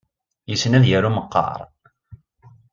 Yessen ad yaru meqqar?